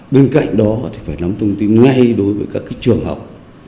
bên cạnh đó thì phải nắm thông tin ngay đối với các trường học